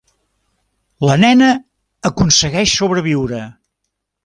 La nena aconsegueix sobreviure.